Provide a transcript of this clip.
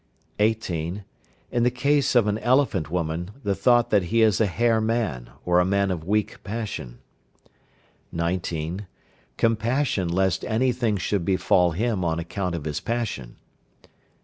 18. In the case of an elephant woman, the thought that he is a hare man, or a man of weak passion. 19. Compassion lest any thing should befall him on account of his passion.